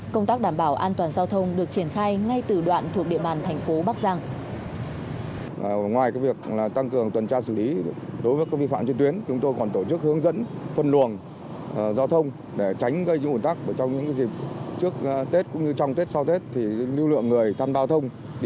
công tác đảm bảo an toàn giao thông được triển khai ngay từ đoạn thuộc địa bàn thành phố bắc giang